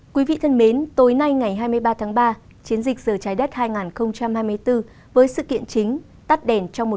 quý vị thân mến tối nay ngày hai mươi ba tháng ba chiến dịch giờ trái đất hai nghìn hai mươi bốn với sự kiện chính tắt đèn